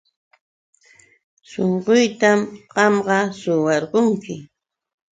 Shunquytam qamqa suwarqunki.